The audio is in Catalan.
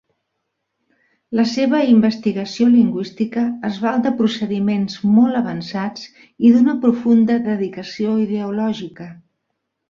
La seva investigació lingüística es val de procediments molt avançats i d'una profunda dedicació ideològica.